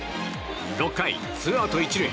６回、ツーアウト１塁。